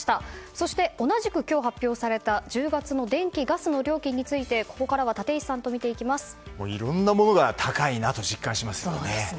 そして同じく今日発表された１０月の電気・ガスの料金についてここからはいろんなものが高いなと実感しますよね。